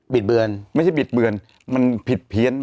ดเบือนไม่ใช่บิดเบือนมันผิดเพี้ยน